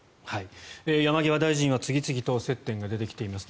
山際大臣は次々と接点が出てきています。